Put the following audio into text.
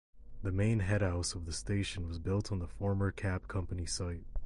The main headhouse of the station was built on the former cab company site.